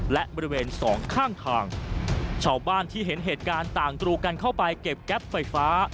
และบริเวณสองข้างทางชาวบ้านที่เห็นเหตุการณ์ต่างกรูกันเข้าไปเก็บแก๊ปไฟฟ้า